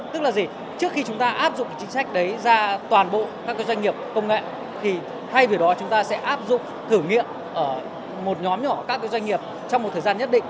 tức là gì trước khi chúng ta áp dụng chính sách đấy ra toàn bộ các doanh nghiệp công nghệ thì thay vì đó chúng ta sẽ áp dụng thử nghiệm ở một nhóm nhỏ các doanh nghiệp trong một thời gian nhất định